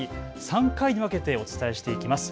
３回に分けてお伝えしていきます。